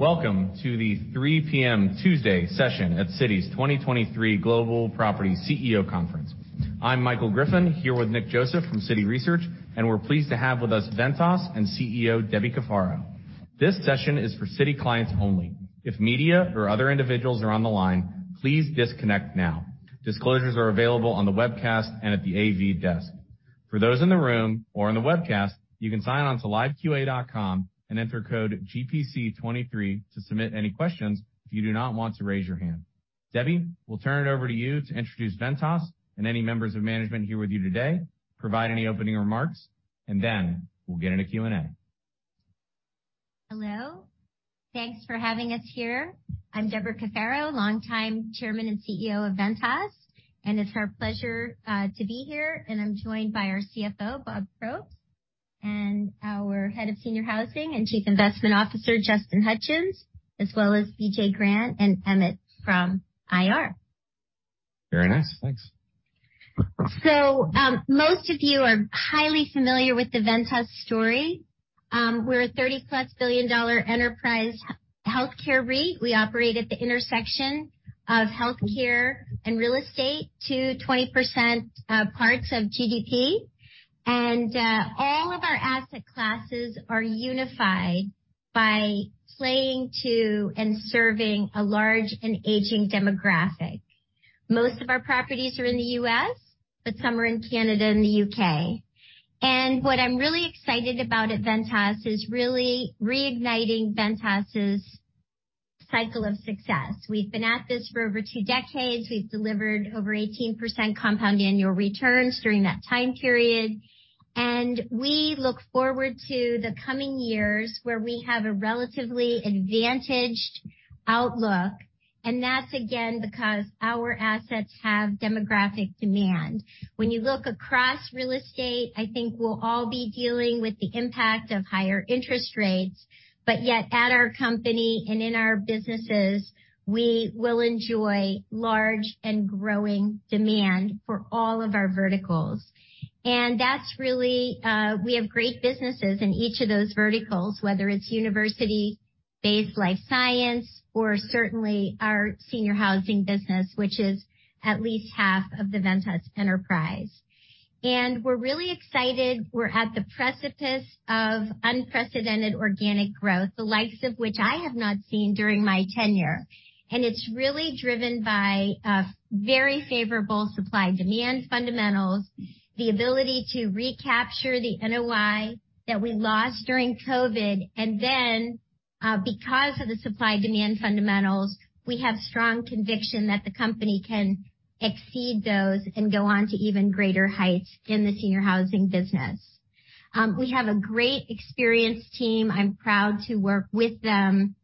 Welcome to the 3:00 P.M. Tuesday session at Citi's 2023 Global Property CEO Conference. I'm Michael Griffin, here with Nick Joseph from Citi Research, and we're pleased to have with us Ventas and CEO Debi Cafaro. This session is for Citi clients only. If media or other individuals are on the line, please disconnect now. Disclosures are available on the webcast and at the AV desk. For those in the room or on the webcast, you can sign on to liveqa.com and enter code GPC23 to submit any questions if you do not want to raise your hand. Debbie, we'll turn it over to you to introduce Ventas and any members of management here with you today, provide any opening remarks, and then we'll get into Q&A. Hello. Thanks for having us here. I'm Debra Cafaro, longtime Chairman and CEO of Ventas, and it's our pleasure to be here. I'm joined by our CFO, Bob Probst, and our Head of Senior Housing and Chief Investment Officer, Justin Hutchens, as well as BJ Grant and Emmett from IR. Very nice. Thanks. So most of you are highly familiar with the Ventas story. We're a $30+ billion enterprise healthcare REIT. We operate at the intersection of healthcare and real estate to 20% parts of GDP. And all of our asset classes are unified by playing to and serving a large and aging demographic. Most of our properties are in the U.S., but some are in Canada and the U.K. And what I'm really excited about at Ventas is really reigniting Ventas's cycle of success. We've been at this for over two decades. We've delivered over 18% compound annual returns during that time period. And we look forward to the coming years where we have a relatively advantaged outlook. And that's again because our assets have demographic demand. When you look across real estate, I think we'll all be dealing with the impact of higher interest rates. But yet at our company and in our businesses, we will enjoy large and growing demand for all of our verticals. And that's really we have great businesses in each of those verticals, whether it's university-based life science or certainly our senior housing business, which is at least half of the Ventas enterprise. And we're really excited. We're at the precipice of unprecedented organic growth, the likes of which I have not seen during my tenure. And it's really driven by very favorable supply-demand fundamentals, the ability to recapture the NOI that we lost during COVID. And then because of the supply-demand fundamentals, we have strong conviction that the company can exceed those and go on to even greater heights in the senior housing business. We have a great experienced team. I'm proud to work with them.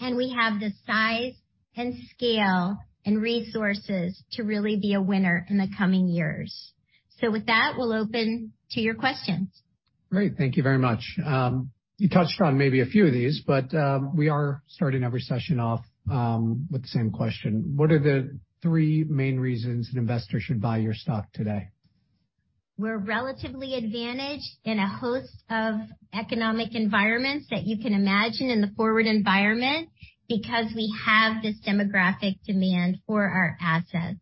We have the size and scale and resources to really be a winner in the coming years. With that, we'll open to your questions. Great. Thank you very much. You touched on maybe a few of these, but we are starting every session off with the same question. What are the three main reasons an investor should buy your stock today? We're relatively advantaged in a host of economic environments that you can imagine in the forward environment because we have this demographic demand for our assets,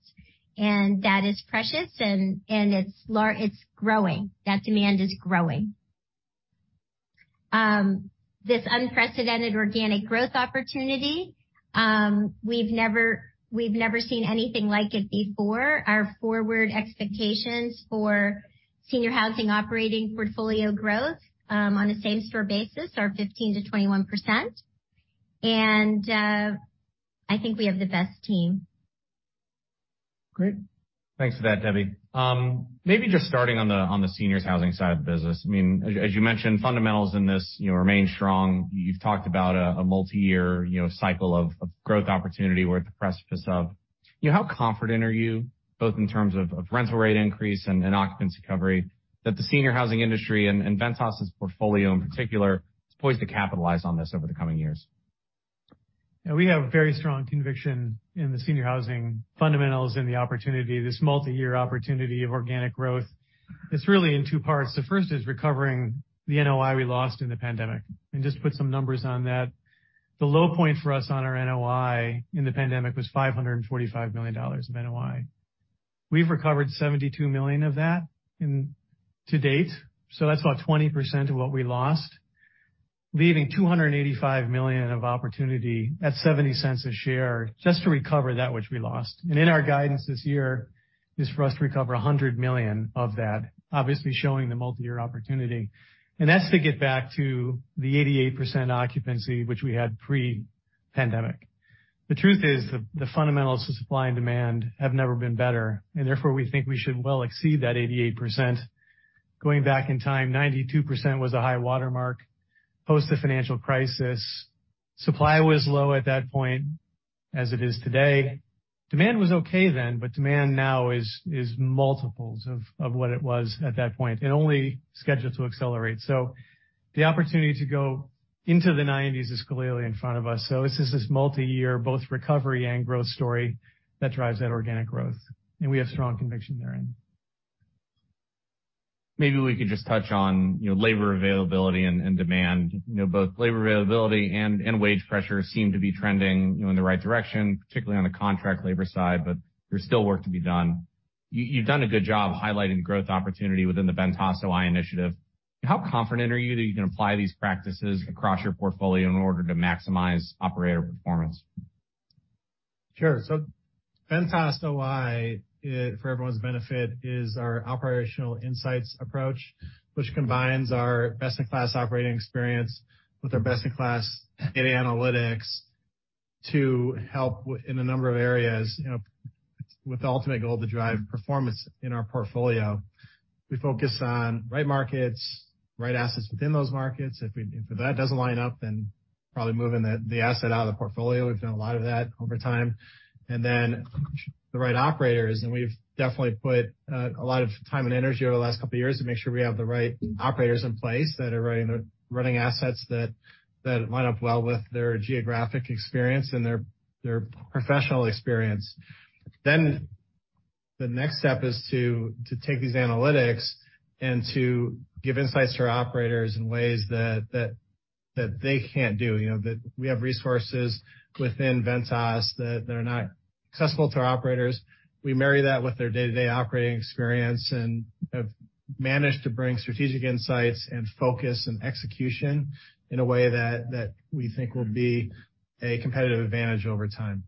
and that is precious, and it's growing. That demand is growing. This unprecedented organic growth opportunity, we've never seen anything like it before. Our forward expectations for senior housing operating portfolio growth on a same-store basis are 15%-21%, and I think we have the best team. Great. Thanks for that, Debi. Maybe just starting on the seniors' housing side of the business. I mean, as you mentioned, fundamentals in this remain strong. You've talked about a multi-year cycle of growth opportunity we're at the precipice of. How confident are you, both in terms of rental rate increase and occupancy coverage, that the senior housing industry and Ventas's portfolio in particular has poised to capitalize on this over the coming years? Yeah, we have a very strong conviction in the senior housing fundamentals and the opportunity, this multi-year opportunity of organic growth. It's really in two parts. The first is recovering the NOI we lost in the pandemic. And just to put some numbers on that, the low point for us on our NOI in the pandemic was $545 million of NOI. We've recovered $72 million of that to date. So that's about 20% of what we lost, leaving $285 million of opportunity at $0.70 a share just to recover that which we lost. And in our guidance this year is for us to recover $100 million of that, obviously showing the multi-year opportunity. And that's to get back to the 88% occupancy, which we had pre-pandemic. The truth is the fundamentals of supply and demand have never been better. And therefore, we think we should well exceed that 88%. Going back in time, 92% was a high watermark post the financial crisis. Supply was low at that point, as it is today. Demand was okay then, but demand now is multiples of what it was at that point and only scheduled to accelerate. So the opportunity to go into the '90s is clearly in front of us. So this is a multi-year, both recovery and growth story that drives that organic growth. And we have strong conviction therein. Maybe we could just touch on labor availability and demand. Both labor availability and wage pressure seem to be trending in the right direction, particularly on the contract labor side, but there's still work to be done. You've done a good job highlighting the growth opportunity within the Ventas OI initiative. How confident are you that you can apply these practices across your portfolio in order to maximize operator performance? Sure, so Ventas OI, for everyone's benefit, is our operational insights approach, which combines our best-in-class operating experience with our best-in-class data analytics to help in a number of areas with the ultimate goal to drive performance in our portfolio. We focus on right markets, right assets within those markets. If that doesn't line up, then probably moving the asset out of the portfolio. We've done a lot of that over time, and then the right operators, and we've definitely put a lot of time and energy over the last couple of years to make sure we have the right operators in place that are running assets that line up well with their geographic experience and their professional experience, then the next step is to take these analytics and to give insights to our operators in ways that they can't do. We have resources within Ventas that are not accessible to our operators. We marry that with their day-to-day operating experience and have managed to bring strategic insights and focus and execution in a way that we think will be a competitive advantage over time.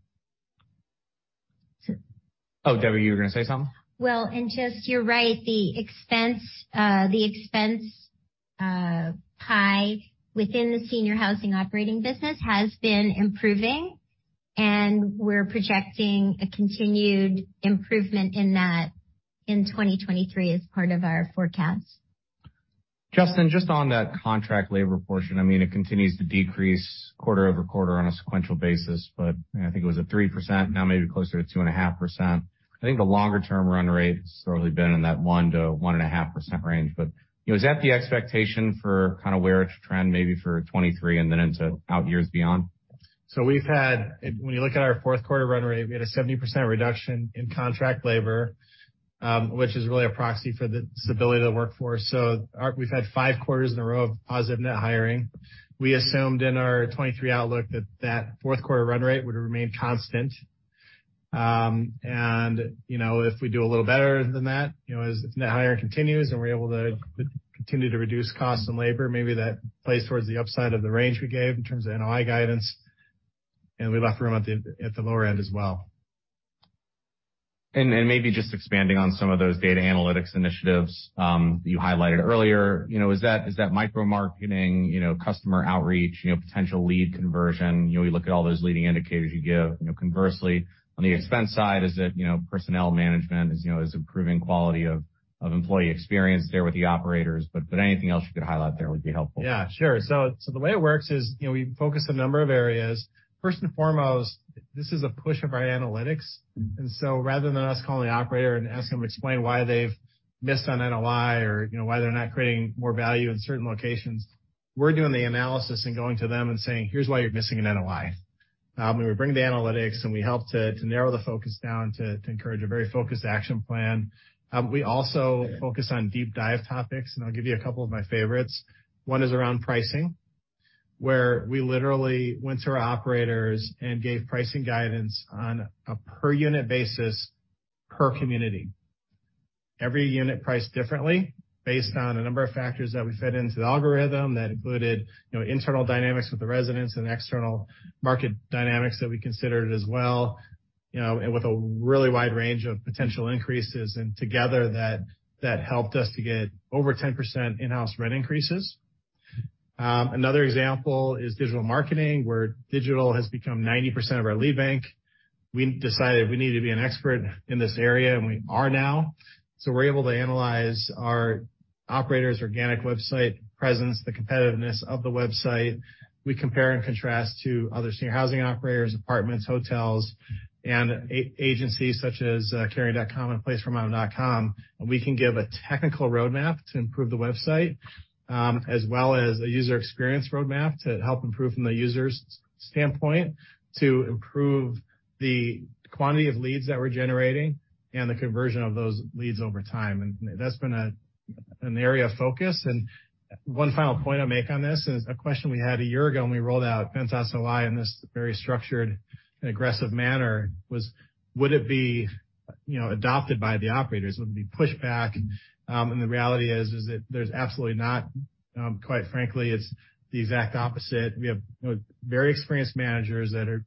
Oh, Debi, you were going to say something? Justin, you're right. The expense pie within the senior housing operating business has been improving. We're projecting a continued improvement in that in 2023 as part of our forecast. Justin, just on that contract labor portion, I mean, it continues to decrease quarter-over-quarter on a sequential basis. But I think it was at 3%, now maybe closer to 2.5%. I think the longer-term run rate has thoroughly been in that 1%-1.5% range. But is that the expectation for kind of where it should trend maybe for 2023 and then into out years beyond? So we've had, when you look at our fourth quarter run rate, we had a 70% reduction in contract labor, which is really a proxy for the stability of the workforce. So we've had five quarters in a row of positive net hiring. We assumed in our 2023 outlook that that fourth quarter run rate would remain constant. And if we do a little better than that, if net hiring continues and we're able to continue to reduce costs and labor, maybe that plays towards the upside of the range we gave in terms of NOI guidance. And we left room at the lower end as well. Maybe just expanding on some of those data analytics initiatives that you highlighted earlier, is that micro-marketing, customer outreach, potential lead conversion? We look at all those leading indicators you give. Conversely, on the expense side, is it personnel management? Is improving quality of employee experience there with the operators? But anything else you could highlight there would be helpful. Yeah, sure. So the way it works is we focus on a number of areas. First and foremost, this is a push of our analytics. And so rather than us calling the operator and asking them to explain why they've missed on NOI or why they're not creating more value in certain locations, we're doing the analysis and going to them and saying, "Here's why you're missing an NOI." We bring the analytics and we help to narrow the focus down to encourage a very focused action plan. We also focus on deep dive topics. And I'll give you a couple of my favorites. One is around pricing, where we literally went to our operators and gave pricing guidance on a per-unit basis per community. Every unit priced differently based on a number of factors that we fit into the algorithm that included internal dynamics with the residents and external market dynamics that we considered as well, with a really wide range of potential increases, and together, that helped us to get over 10% in-house rent increases. Another example is digital marketing, where digital has become 90% of our lead bank. We decided we needed to be an expert in this area, and we are now, so we're able to analyze our operator's organic website presence, the competitiveness of the website, we compare and contrast to other senior housing operators, apartments, hotels, and agencies such as Caring.com and A Place for Mom. And we can give a technical roadmap to improve the website, as well as a user experience roadmap to help improve from the user's standpoint to improve the quantity of leads that we're generating and the conversion of those leads over time. And that's been an area of focus. And one final point I'll make on this is a question we had a year ago when we rolled out Ventas OI in this very structured and aggressive manner was, would it be adopted by the operators? Would it be pushed back? And the reality is that there's absolutely not. Quite frankly, it's the exact opposite. We have very experienced managers that are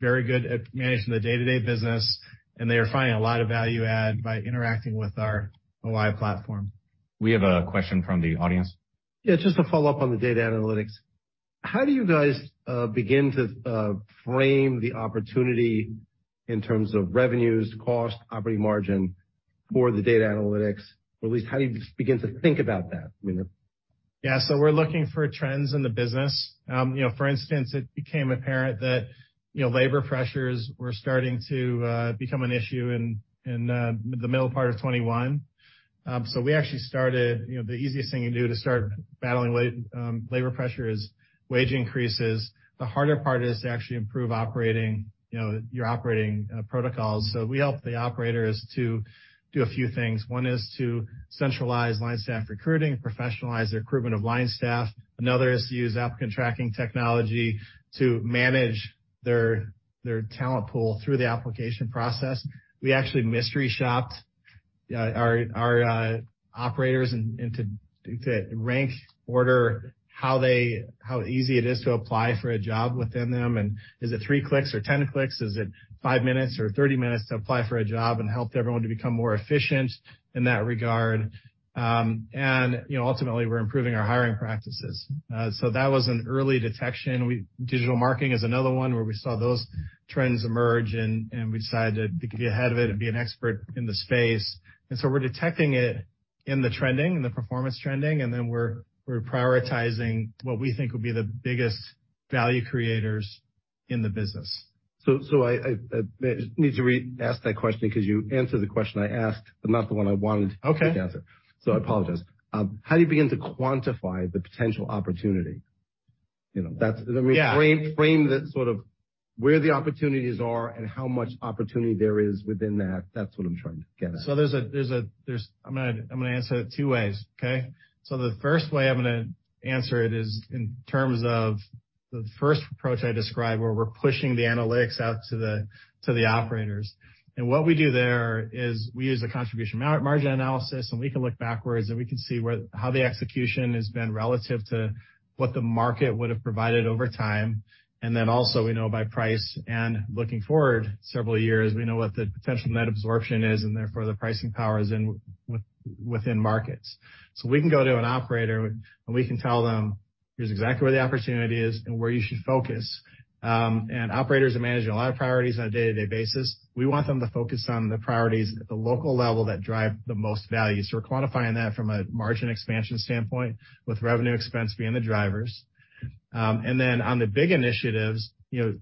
very good at managing the day-to-day business. And they are finding a lot of value add by interacting with our OI platform. We have a question from the audience. Yeah, just to follow up on the data analytics. How do you guys begin to frame the opportunity in terms of revenues, cost, operating margin for the data analytics? Or at least how do you begin to think about that? Yeah, so we're looking for trends in the business. For instance, it became apparent that labor pressures were starting to become an issue in the middle part of 2021. So we actually started. The easiest thing to do to start battling labor pressure is wage increases. The harder part is to actually improve your operating protocols. So we help the operators to do a few things. One is to centralize line staff recruiting, professionalize the recruitment of line staff. Another is to use applicant tracking technology to manage their talent pool through the application process. We actually mystery shopped our operators to rank, order how easy it is to apply for a job within them. And is it three clicks or 10 clicks? Is it five minutes or 30 minutes to apply for a job and help everyone to become more efficient in that regard? And ultimately, we're improving our hiring practices. So that was an early detection. Digital marketing is another one where we saw those trends emerge. And we decided to be ahead of it and be an expert in the space. And so we're detecting it in the trending, in the performance trending. And then we're prioritizing what we think would be the biggest value creators in the business. So I need to ask that question because you answered the question I asked, but not the one I wanted you to answer. So I apologize. How do you begin to quantify the potential opportunity? I mean, frame the sort of where the opportunities are and how much opportunity there is within that. That's what I'm trying to get at. So there's a. I'm going to answer it two ways, okay? So the first way I'm going to answer it is in terms of the first approach I described, where we're pushing the analytics out to the operators. And what we do there is we use a contribution margin analysis. And we can look backwards. And we can see how the execution has been relative to what the market would have provided over time. And then also, we know by price and looking forward several years, we know what the potential net absorption is and therefore the pricing power is within markets. So we can go to an operator. And we can tell them, "Here's exactly where the opportunity is and where you should focus." And operators are managing a lot of priorities on a day-to-day basis. We want them to focus on the priorities at the local level that drive the most value. So we're quantifying that from a margin expansion standpoint with revenue expense being the drivers. And then on the big initiatives, 90%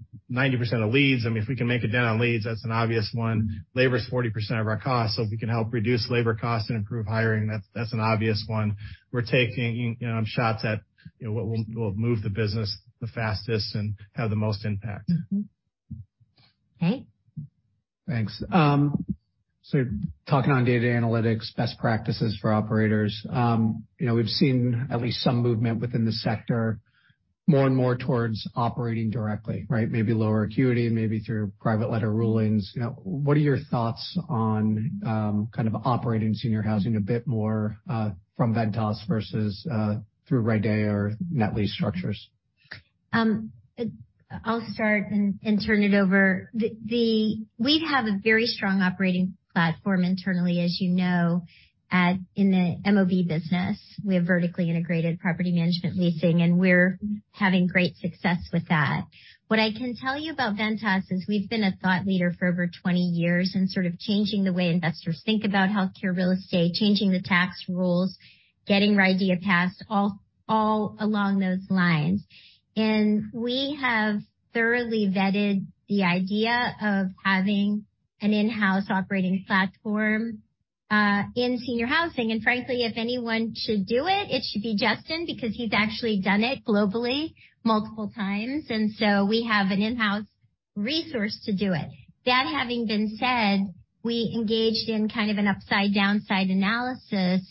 of leads. I mean, if we can make a dent on leads, that's an obvious one. Labor is 40% of our cost. So if we can help reduce labor costs and improve hiring, that's an obvious one. We're taking shots at what will move the business the fastest and have the most impact. Okay. Thanks. So talking on data analytics, best practices for operators. We've seen at least some movement within the sector more and more towards operating directly, right? Maybe lower acuity, maybe through private letter rulings. What are your thoughts on kind of operating senior housing a bit more from Ventas versus through RIDEA or net lease structures? I'll start and turn it over. We have a very strong operating platform internally, as you know, in the MOB business. We have vertically integrated property management leasing, and we're having great success with that. What I can tell you about Ventas is we've been a thought leader for over 20 years in sort of changing the way investors think about healthcare real estate, changing the tax rules, getting RIDEA passed, all along those lines, and we have thoroughly vetted the idea of having an in-house operating platform in senior housing, and frankly, if anyone should do it, it should be Justin because he's actually done it globally multiple times, and so we have an in-house resource to do it. That having been said, we engaged in kind of an upside-downside analysis,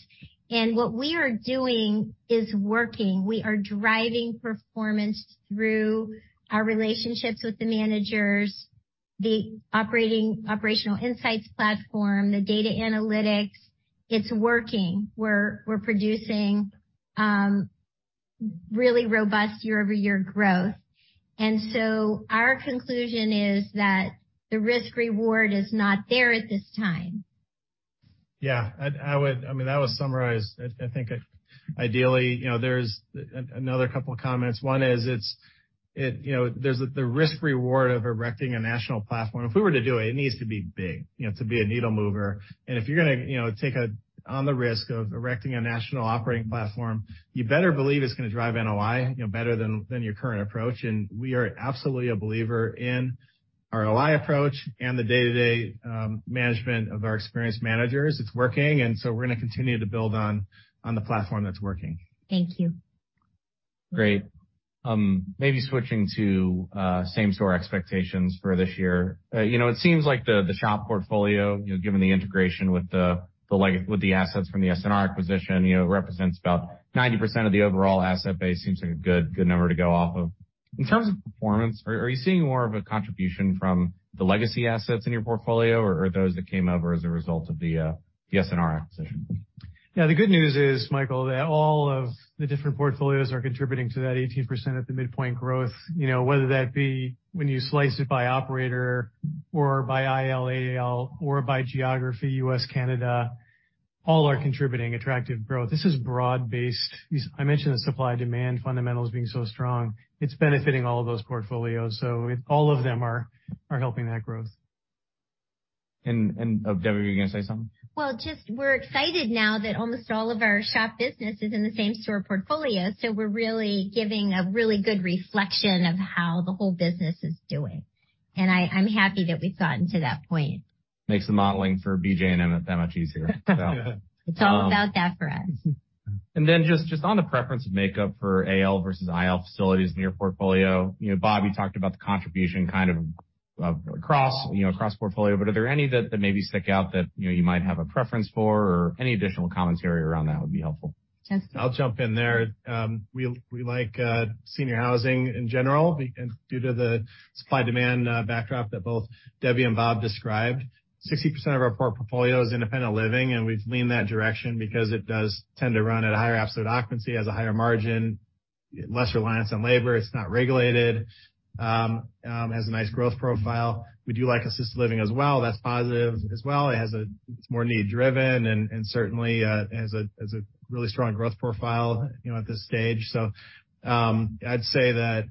and what we are doing is working. We are driving performance through our relationships with the managers, the operational insights platform, the data analytics. It's working. We're producing really robust year-over-year growth. And so our conclusion is that the risk-reward is not there at this time. Yeah. I mean, that was summarized. I think ideally, there's another couple of comments. One is there's the risk-reward of erecting a national platform. If we were to do it, it needs to be big, to be a needle mover. And if you're going to take on the risk of erecting a national operating platform, you better believe it's going to drive NOI better than your current approach. And we are absolutely a believer in our OI approach and the day-to-day management of our experienced managers. It's working. And so we're going to continue to build on the platform that's working. Thank you. Great. Maybe switching to Same-Store expectations for this year. It seems like the SHOP portfolio, given the integration with the assets from the S&R acquisition, represents about 90% of the overall asset base. Seems like a good number to go off of. In terms of performance, are you seeing more of a contribution from the legacy assets in your portfolio or those that came over as a result of the S&R acquisition? Yeah. The good news is, Michael, that all of the different portfolios are contributing to that 18% at the midpoint growth, whether that be when you slice it by operator or by IL/AL or by geography, U.S./Canada, all are contributing attractive growth. This is broad-based. I mentioned the supply-demand fundamentals being so strong. It's benefiting all of those portfolios. So all of them are helping that growth. Debi, were you going to say something? We're just excited now that almost all of our SHOP business is in the same-store portfolio. We're really giving a really good reflection of how the whole business is doing. I'm happy that we've gotten to that point. Makes the modeling for BJ and Em that much easier. It's all about that for us. And then, just on the preference of makeup for AL versus IL facilities in your portfolio, Bob, you talked about the contribution kind of across portfolio. But are there any that maybe stick out that you might have a preference for or any additional commentary around that would be helpful? I'll jump in there. We like senior housing in general due to the supply-demand backdrop that both Debi and Bob described. 60% of our portfolio is independent living, and we've leaned that direction because it does tend to run at a higher absolute occupancy, has a higher margin, less reliance on labor. It's not regulated. It has a nice growth profile. We do like assisted living as well. That's positive as well. It's more need-driven and certainly has a really strong growth profile at this stage. So I'd say that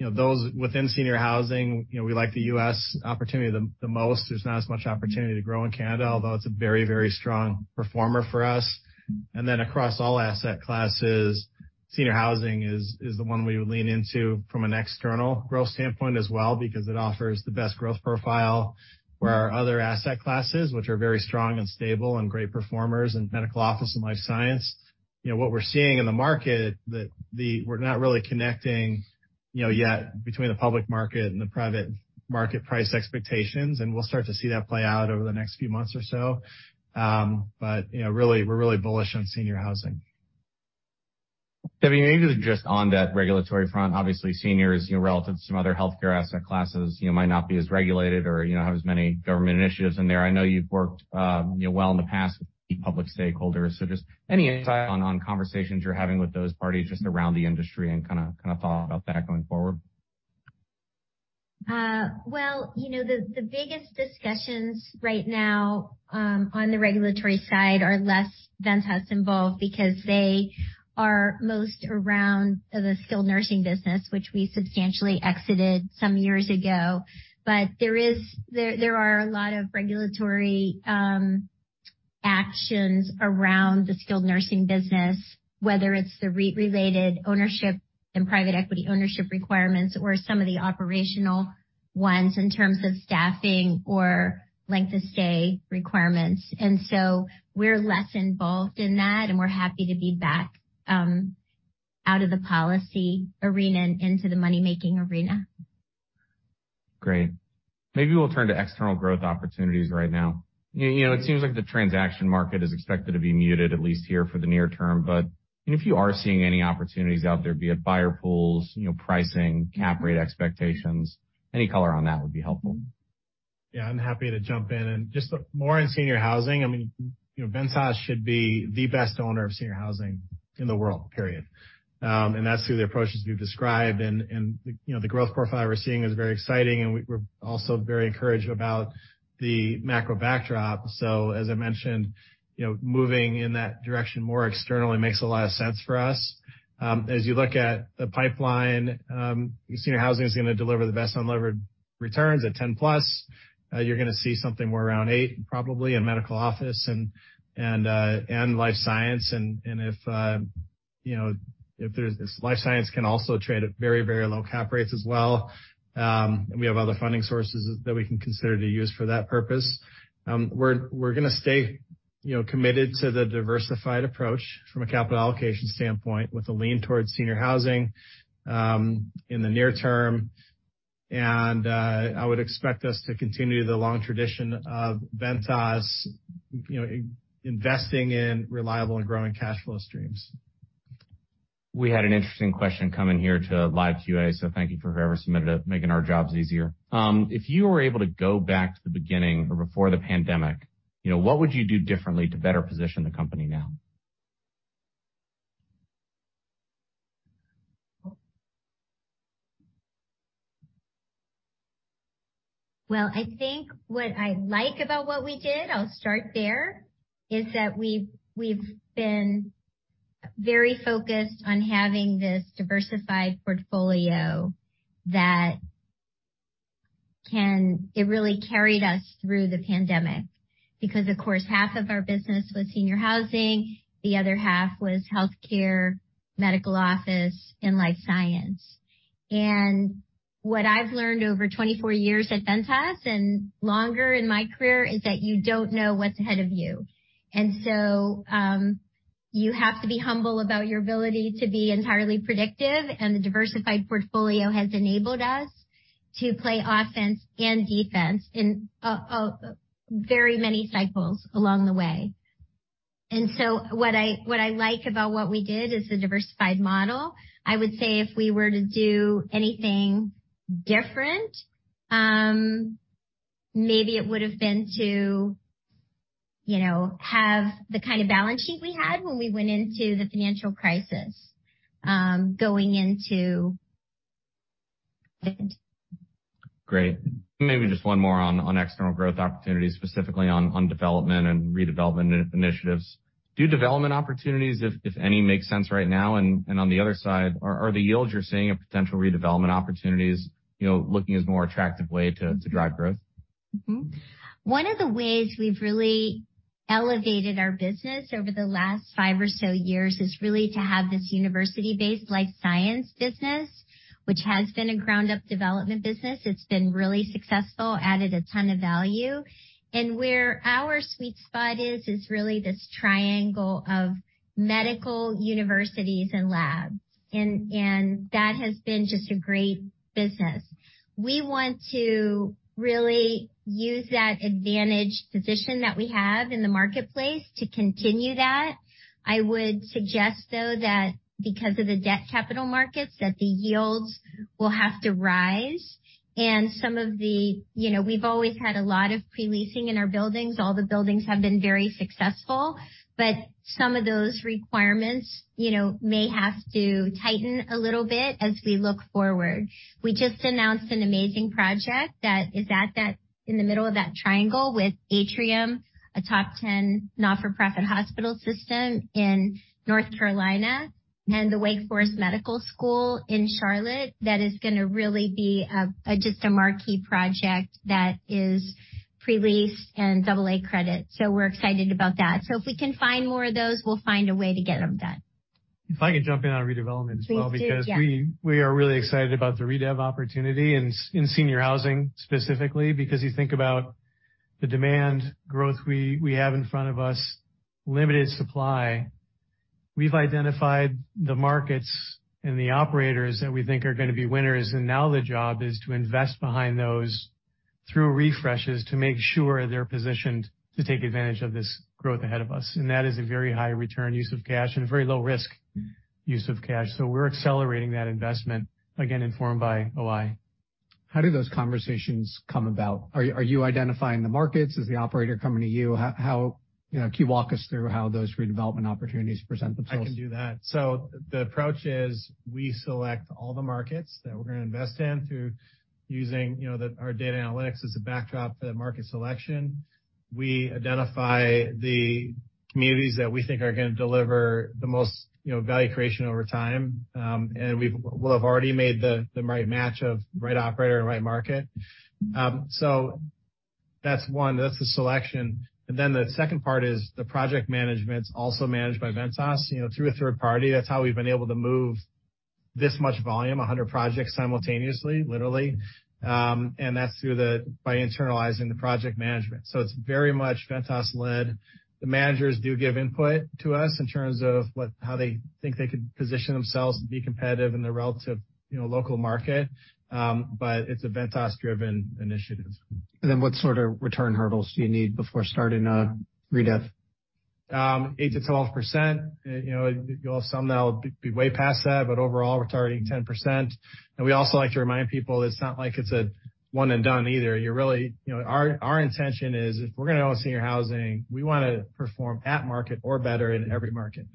within senior housing, we like the U.S. opportunity the most. There's not as much opportunity to grow in Canada, although it's a very, very strong performer for us. And then across all asset classes, senior housing is the one we would lean into from an external growth standpoint as well because it offers the best growth profile for our other asset classes, which are very strong and stable and great performers in medical office and life science. What we're seeing in the market, we're not really connecting yet between the public market and the private market price expectations. And we'll start to see that play out over the next few months or so. But really, we're really bullish on senior housing. Debi, maybe just on that regulatory front, obviously, seniors relative to some other healthcare asset classes might not be as regulated or have as many government initiatives in there. I know you've worked well in the past with public stakeholders. So just any insight on conversations you're having with those parties just around the industry and kind of thought about that going forward? The biggest discussions right now on the regulatory side are less Ventas involved because they are most around the skilled nursing business, which we substantially exited some years ago. There are a lot of regulatory actions around the skilled nursing business, whether it's the REIT-related ownership and private equity ownership requirements or some of the operational ones in terms of staffing or length of stay requirements. So we're less involved in that. We're happy to be back out of the policy arena and into the money-making arena. Great. Maybe we'll turn to external growth opportunities right now. It seems like the transaction market is expected to be muted, at least here for the near term. But if you are seeing any opportunities out there, be it buyer pools, pricing, cap rate expectations, any color on that would be helpful. Yeah. I'm happy to jump in. And just more on senior housing. I mean, Ventas should be the best owner of senior housing in the world, period. And that's through the approaches we've described. And the growth profile we're seeing is very exciting. And we're also very encouraged about the macro backdrop. So as I mentioned, moving in that direction more externally makes a lot of sense for us. As you look at the pipeline, senior housing is going to deliver the best unlevered returns at 10+. You're going to see something more around eight, probably, in medical office and life science. And if life science can also trade at very, very low cap rates as well, we have other funding sources that we can consider to use for that purpose. We're going to stay committed to the diversified approach from a capital allocation standpoint with a lean towards senior housing in the near term, and I would expect us to continue the long tradition of Ventas investing in reliable and growing cash flow streams. We had an interesting question come in here to LiveQA. So thank you for whoever submitted it, making our jobs easier. If you were able to go back to the beginning or before the pandemic, what would you do differently to better position the company now? Well, I think what I like about what we did, I'll start there, is that we've been very focused on having this diversified portfolio that can really carry us through the pandemic because, of course, half of our business was senior housing. The other half was healthcare, medical office, and life science. And what I've learned over 24 years at Ventas and longer in my career is that you don't know what's ahead of you. And so you have to be humble about your ability to be entirely predictive. And the diversified portfolio has enabled us to play offense and defense in very many cycles along the way. And so what I like about what we did is the diversified model. I would say if we were to do anything different, maybe it would have been to have the kind of balance sheet we had when we went into the financial crisis going into. Great. Maybe just one more on external growth opportunities, specifically on development and redevelopment initiatives. Do development opportunities, if any, make sense right now? And on the other side, are the yields you're seeing of potential redevelopment opportunities looking as more attractive way to drive growth? One of the ways we've really elevated our business over the last five or so years is really to have this university-based life science business, which has been a ground-up development business. It's been really successful, added a ton of value. And where our sweet spot is, is really this triangle of medical, universities, and labs. And that has been just a great business. We want to really use that advantage position that we have in the marketplace to continue that. I would suggest, though, that because of the debt capital markets, that the yields will have to rise. And some of those we've always had a lot of pre-leasing in our buildings. All the buildings have been very successful. But some of those requirements may have to tighten a little bit as we look forward. We just announced an amazing project that is in the middle of that triangle with Atrium Health, a top 10 not-for-profit hospital system in North Carolina, and the Wake Forest University School of Medicine in Charlotte that is going to really be just a marquee project that is pre-leased and AA credit. So we're excited about that. So if we can find more of those, we'll find a way to get them done. If I could jump in on redevelopment as well, because we are really excited about the RIDEA opportunity in senior housing, specifically because you think about the demand growth we have in front of us, limited supply. We've identified the markets and the operators that we think are going to be winners. Now the job is to invest behind those through refreshes to make sure they're positioned to take advantage of this growth ahead of us. That is a very high return use of cash and a very low risk use of cash. We're accelerating that investment, again, informed by OI. How do those conversations come about? Are you identifying the markets? Is the operator coming to you? Can you walk us through how those redevelopment opportunities present themselves? I can do that. So the approach is we select all the markets that we're going to invest in through using our data analytics as a backdrop for the market selection. We identify the communities that we think are going to deliver the most value creation over time. And we'll have already made the right match of right operator and right market. So that's one. That's the selection. And then the second part is the project management's also managed by Ventas through a third party. That's how we've been able to move this much volume, 100 projects simultaneously, literally. And that's by internalizing the project management. So it's very much Ventas-led. The managers do give input to us in terms of how they think they could position themselves to be competitive in the relative local market. But it's a Ventas-driven initiative. What sort of return hurdles do you need before starting a RIDEA? 8%-12%. Some now will be way past that. But overall, we're targeting 10%. And we also like to remind people it's not like it's a one and done either. Our intention is if we're going to own senior housing, we want to perform at market or better in every market.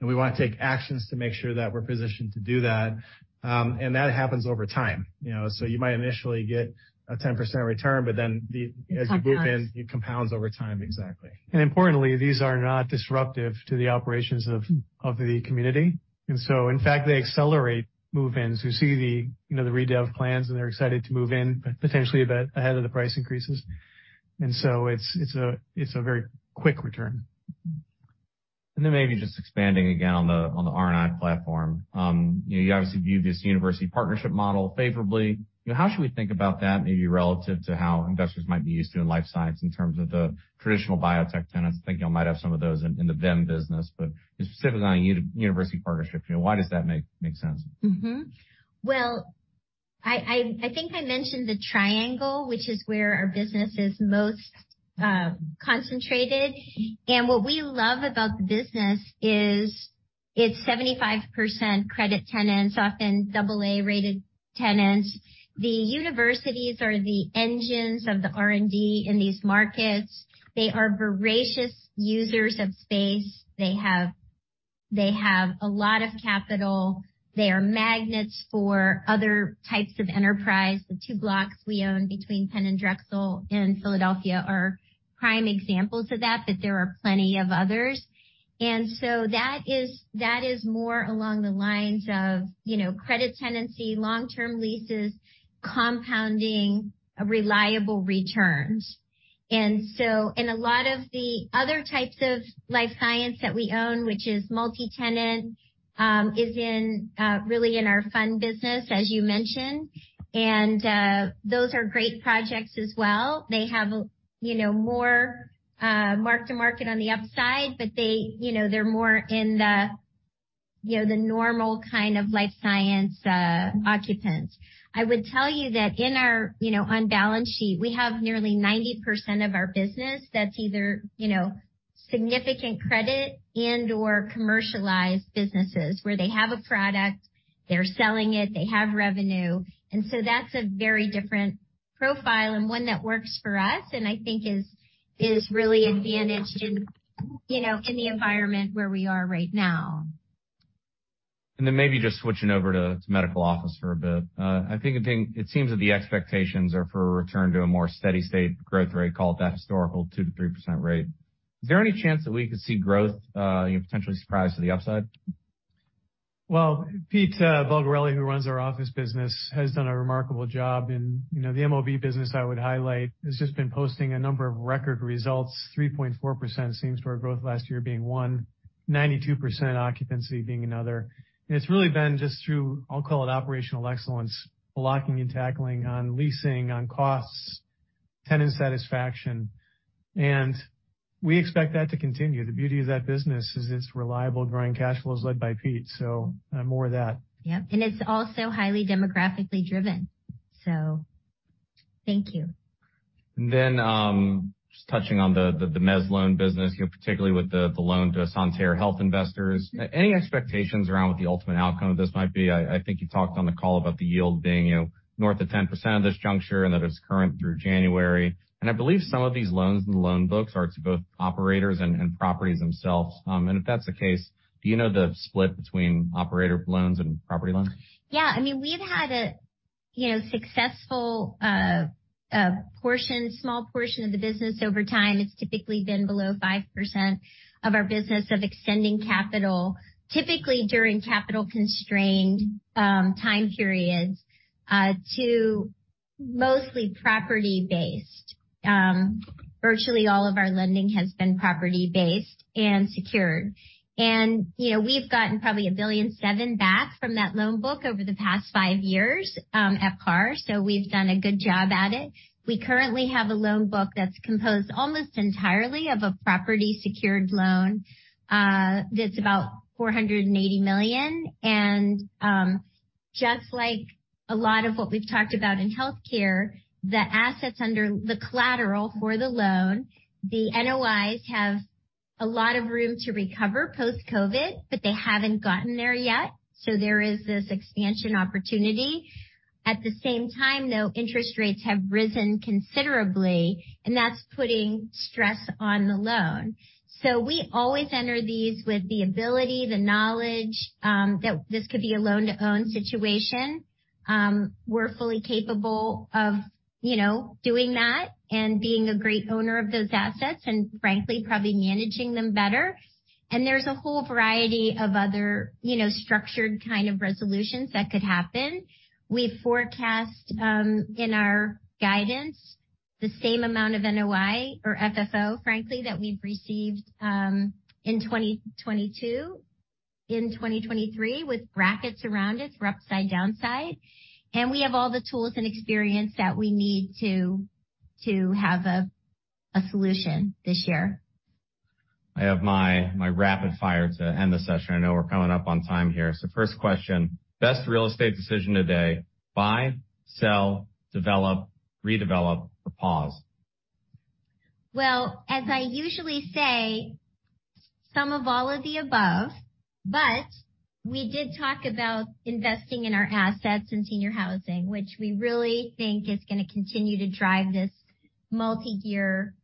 And we want to take actions to make sure that we're positioned to do that. And that happens over time. So you might initially get a 10% return, but then as you move in, it compounds over time. Exactly. And importantly, these are not disruptive to the operations of the community. And so, in fact, they accelerate move-ins. We see the RIDEA plans, and they're excited to move in potentially a bit ahead of the price increases. And so it's a very quick return. Then maybe just expanding again on the R&I platform. You obviously view this university partnership model favorably. How should we think about that maybe relative to how investors might be used to in life science in terms of the traditional biotech tenants? I think y'all might have some of those in the VIM business. Specifically on university partnerships, why does that make sense? I think I mentioned the triangle, which is where our business is most concentrated. What we love about the business is it's 75% credit tenants, often AA-rated tenants. The universities are the engines of the R&D in these markets. They are voracious users of space. They have a lot of capital. They are magnets for other types of enterprise. The two blocks we own between Penn and Drexel in Philadelphia are prime examples of that, but there are plenty of others. That is more along the lines of credit tenancy, long-term leases, compounding, reliable returns. A lot of the other types of life science that we own, which is multi-tenant, is really in our fund business, as you mentioned. Those are great projects as well. They have more mark-to-market on the upside, but they're more in the normal kind of life science occupants. I would tell you that in our unlevered balance sheet, we have nearly 90% of our business that's either significant credit and/or commercialized businesses where they have a product, they're selling it, they have revenue, and so that's a very different profile and one that works for us and I think is really advantaged in the environment where we are right now. And then maybe just switching over to medical office for a bit. I think it seems that the expectations are for a return to a more steady-state growth rate, call it that historical 2%-3% rate. Is there any chance that we could see growth potentially surprise to the upside? Pete Bulgarelli, who runs our office business, has done a remarkable job. The MOB business I would highlight has just been posting a number of record results. 3.4% same-store growth last year being one, 92% occupancy being another. It's really been just through, I'll call it operational excellence, blocking and tackling on leasing, on costs, tenant satisfaction. We expect that to continue. The beauty of that business is it's reliable, growing cash flows led by Pete. More of that. Yep. And it's also highly demographically driven. So thank you. And then just touching on the mezz loan business, particularly with the loan to Santerre Health Investors. Any expectations around what the ultimate outcome of this might be? I think you talked on the call about the yield being north of 10% at this juncture and that it's current through January. And I believe some of these loans in the loan books are to both operators and properties themselves. And if that's the case, do you know the split between operator loans and property loans? Yeah. I mean, we've had a successful small portion of the business over time. It's typically been below 5% of our business of extending capital, typically during capital-constrained time periods to mostly property-based. Virtually all of our lending has been property-based and secured, and we've gotten probably $1.7 billion back from that loan book over the past five years at par. So we've done a good job at it. We currently have a loan book that's composed almost entirely of a property-secured loan that's about $480 million. And just like a lot of what we've talked about in healthcare, the assets under the collateral for the loan, the NOIs have a lot of room to recover post-COVID, but they haven't gotten there yet. So there is this expansion opportunity. At the same time, though, interest rates have risen considerably, and that's putting stress on the loan. So we always enter these with the ability, the knowledge that this could be a loan-to-own situation. We're fully capable of doing that and being a great owner of those assets and, frankly, probably managing them better. And there's a whole variety of other structured kind of resolutions that could happen. We forecast in our guidance the same amount of NOI or FFO, frankly, that we've received in 2022, in 2023, with brackets around it for upside, downside. And we have all the tools and experience that we need to have a solution this year. I have my rapid fire to end the session. I know we're coming up on time here, so first question, best real estate decision today: buy, sell, develop, redevelop, or pause? As I usually say, some of all of the above. But we did talk about investing in our assets in senior housing, which we really think is going to continue to drive this multi-year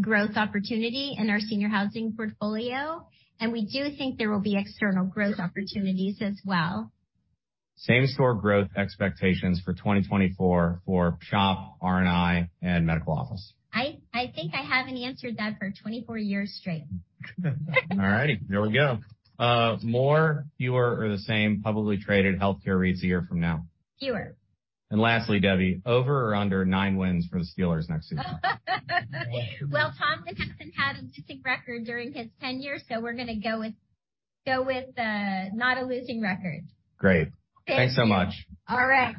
growth opportunity in our senior housing portfolio. And we do think there will be external growth opportunities as well. Same-Store growth expectations for 2024 for SHOP, R&I, and medical office? I think I haven't answered that for 24 years straight. All righty. There we go. More, fewer, or the same publicly traded healthcare REITs a year from now? Fewer. Lastly, Debi, over or under nine wins for the Steelers next season? Tom hasn't had a losing record during his tenure, so we're going to go with not a losing record. Great. Thanks so much. All right.